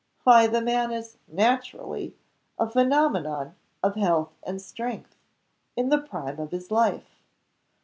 "Why the man is (naturally) a phenomenon of health and strength in the prime of his life.